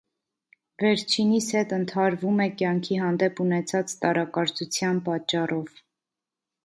Վերջինիս հետ ընդհարվում է կյանքի հանդեպ ունեցած տարակարծության պատճառով։